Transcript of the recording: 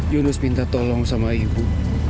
yunus minta tolong sama ibu